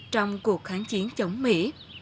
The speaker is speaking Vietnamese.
trong cuộc kháng chiến chống mỹ